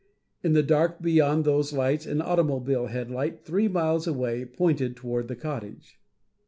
In the dark beyond those lights an automobile headlight three miles away pointed toward the cottage.